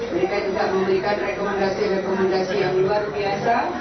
mereka juga memberikan rekomendasi rekomendasi yang luar biasa